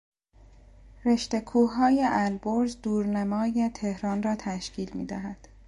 رشته کوههای البرز دورنمای تهران را تشکیل میدهد.